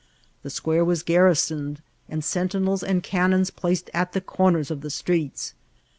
The square was garrisoned, and sentinels and cannons placed at the oomers of the streets.